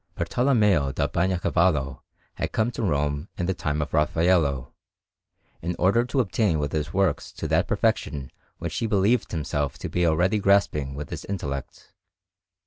Bartolommeo da Bagnacavallo had come to Rome in the time of Raffaello, in order to attain with his works to that perfection which he believed himself to be already grasping with his intellect.